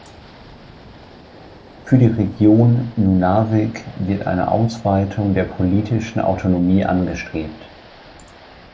Für die Region Nunavik wird eine Ausweitung der politischen Autonomie angestrebt.